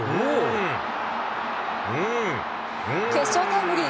決勝タイムリー。